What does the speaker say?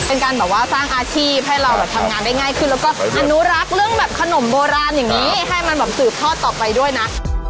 เป็นการแบบว่าสร้างอาชีพให้เราแบบทำงานได้ง่ายขึ้นแล้วก็อนุรักษ์เรื่องแบบขนมโบราณอย่างนี้ให้มันแบบสืบทอดต่อไปด้วยนะ